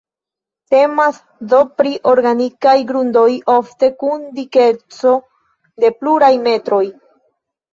Temas, do pri organikaj grundoj ofte kun dikeco de pluraj metroj.